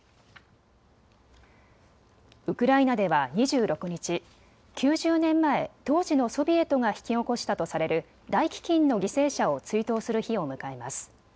ウクライナでは２６日、９０年前、当時のソビエトが引き起こしたとされる大飢きんの犠牲者を追悼する日を迎えます。